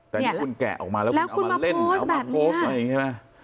แต่นี่คุณแกะออกมาแล้วคุณเอามาเล่นเอามาโพสต์อะไรอย่างนี้ใช่ไหม